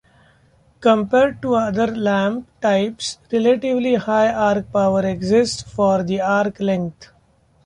Compared to other lamp types, relatively high arc power exists for the arc length.